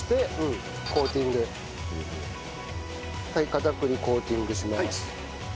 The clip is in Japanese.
片栗コーティングします。